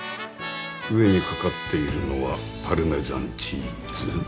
上にかかっているのはパルメザンチーズ？